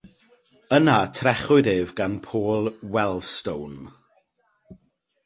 Yna trechwyd ef gan Paul Wellstone.